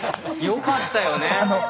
よかったよね？